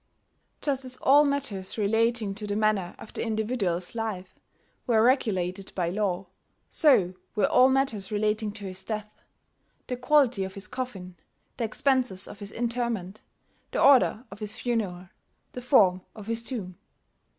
Just as all matters relating to the manner of the individual's life were regulated by law, so were all matters relating to his death, the quality of his coffin, the expenses of his interment, the order of his funeral, the form of his tomb.